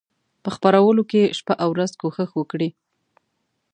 په خپرولو کې شپه او ورځ کوښښ وکړي.